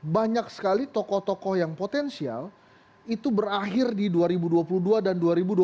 banyak sekali tokoh tokoh yang potensial itu berakhir di dua ribu dua puluh dua dan dua ribu dua puluh